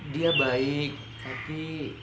dia baik tapi